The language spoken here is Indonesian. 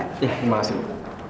ya terima kasih bu